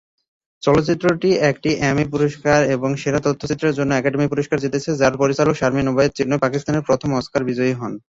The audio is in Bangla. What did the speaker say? চলচ্চিত্রটি একটি এমি পুরস্কার এবং "সেরা তথ্যচিত্রের জন্য একাডেমি পুরস্কার" জিতেছে, যার পরিচালক শারমিন ওবায়েদ-চিনয়, পাকিস্তানের প্রথম অস্কার বিজয়ী হন।